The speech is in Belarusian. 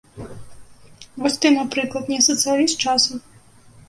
Вось ты, напрыклад, не сацыяліст часам?